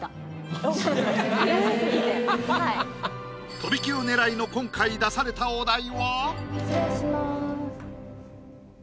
飛び級狙いの今回出された失礼します。